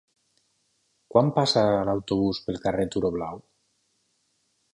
Quan passa l'autobús pel carrer Turó Blau?